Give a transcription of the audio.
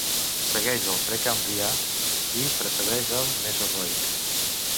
Segueix el Precambrià i precedeix el Mesozoic.